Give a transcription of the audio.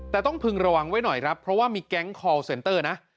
แต่ต้องพึงระวังไว้หน่อยครับเพราะว่ามีแก๊งคอลเซนเตอร์นะ